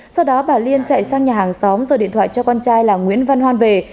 sau đó bà liên chạy sang nhà hàng xóm rồi điện thoại cho con trai là nguyễn văn hoan về